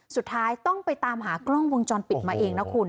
สุดท้ายต้องไปตามหากล้องวงจรปิดมาเองนะคุณ